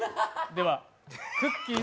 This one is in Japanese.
ではくっきー！